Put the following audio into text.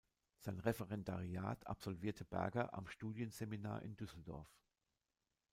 Sein Referendariat absolvierte Berger am Studienseminar in Düsseldorf.